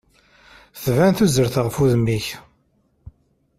Tban tuzert ɣef udem-ik.